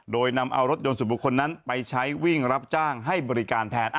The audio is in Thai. โดยนำเอารถยนต์ส่วนบุคคลนั้นไปใช้วิ่งรับจ้างให้บริการแทน